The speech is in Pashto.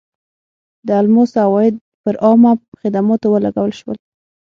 د الماسو عواید پر عامه خدماتو ولګول شول.